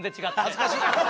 恥ずかしっ！